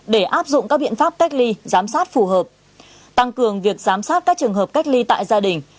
để áp dụng các biện pháp cách ly giám sát phù hợp tăng cường việc giám sát các trường hợp cách ly tại gia đình